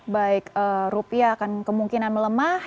baik rupiah akan kemungkinan melemah